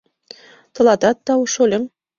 — Тылатат тау, шольым.